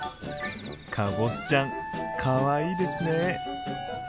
かぼすちゃんかわいいですね！